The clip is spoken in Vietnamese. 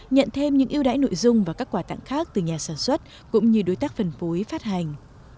nhận thêm những yêu đáy nội dung và các quả tặng khác từ nhà sản xuất cũng như đối tác phân phối phát hành